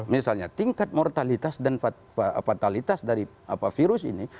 misalnya tingkat mortalitas dan fatalitas dari virus ini